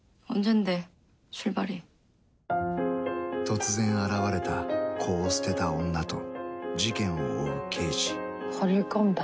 ［突然現れた子を捨てた女と事件を追う刑事］